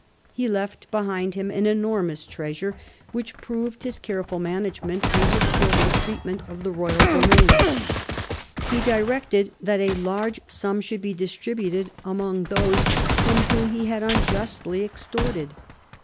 He left vii LAST YEARS 227 behind him an enormous treasure, which proved his care ful management and his skilful treatment of the royal domain. He directed that a large sum should be distri buted among those from whom he had unjustly extorted.